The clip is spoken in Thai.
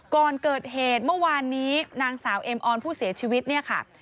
ก่อนเกิดเหตุเมื่อวานนี้นางสาวเอ็มออนผู้เสียชีวิตเนี่ยค่ะ